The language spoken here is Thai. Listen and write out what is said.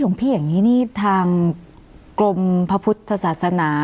หลวงพี่อย่างนี้ทางกรมพระพุทธศาสนา